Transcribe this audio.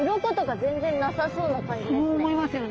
そう思いますよね？